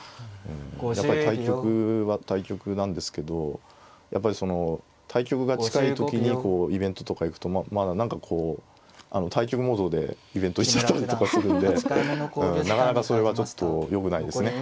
やっぱり対局は対局なんですけどやっぱりその対局が近い時にイベントとか行くとまだ何かこう対局モードでイベント行っちゃったりとかするんでなかなかそれはちょっとよくないですね。